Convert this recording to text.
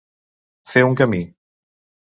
Fer un camí.